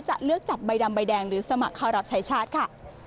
จะเลือกจับใบดำใบแดงหรือสมัครเข้ารับใช้ชาติค่ะ